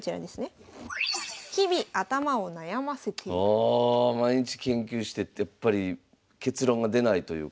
ああ毎日研究しててやっぱり結論が出ないというか。